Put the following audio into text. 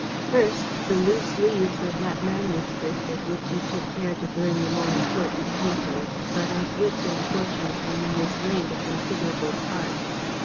"First, the loose leaves of that manuscript of which you took care to burn the more important papers, but of which, unfortunately, you mislaid a considerable part."